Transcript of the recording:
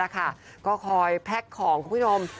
ก็คอยแพ็คของคุณผู้ชม